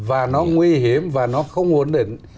và nó nguy hiểm và nó không ổn định